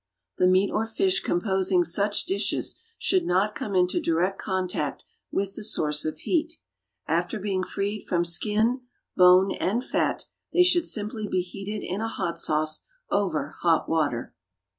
The meat or fish composing such dishes should not come into direct contact with the source of heat; after being freed from skin, bone and fat, they should simply be heated in a hot sauce over hot water.